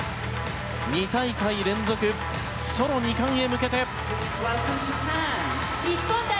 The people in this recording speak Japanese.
２大会連続ソロ２冠へ向けて。